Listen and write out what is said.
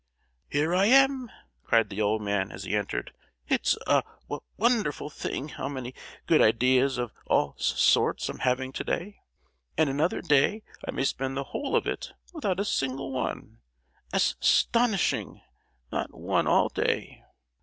"Here I am!" cried the old man as he entered. "It's a wo—wonderful thing how many good ideas of all s—sorts I'm having to day! and another day I may spend the whole of it without a single one! As—tonishing? not one all day!"